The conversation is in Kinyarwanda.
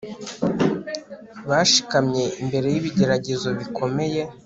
bashikamye imbere yibigeragezo bikomeye